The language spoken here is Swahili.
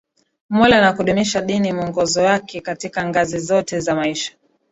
Mola na kudumisha dini mwongozo yake katika ngazi zote za maisha